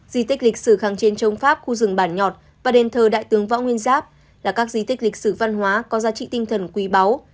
di tích lịch sử kháng chiến chống pháp khu rừng bản nhọt và đền thờ đại tướng võ nguyên giáp là các di tích lịch sử văn hóa có giá trị tinh thần quý báu